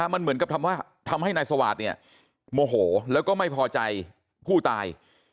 มันเหมือนกับที่ทำให้นายสวาทโมโหแล้วก็ไม่พอใจผู้ตาย